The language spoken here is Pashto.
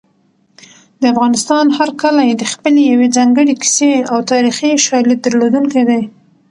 د افغانستان هر کلی د خپلې یوې ځانګړې کیسې او تاریخي شاليد درلودونکی دی.